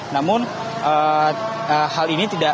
namun hal ini tidak